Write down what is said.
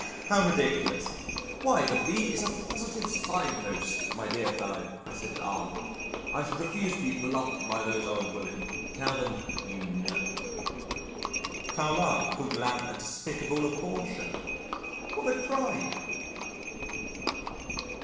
'" "How ridiculous! Why the V is a positive signpost. My dear fellow," I said to R , "I should refuse to be bluffed by those old women. Tell them you know." Carlyle called Lamb a despicable abortion. What a crime!